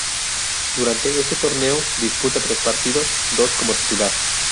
Durante ese torneo, disputa tres partidos, dos como titular.